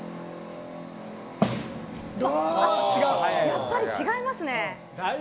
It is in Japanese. やっぱり違いますね。